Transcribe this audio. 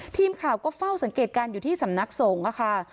ทีมข่าวก็เฝ้าสังเกตการณ์อยู่ที่สำนักสงฆ์ค่ะ